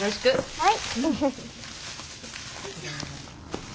はい。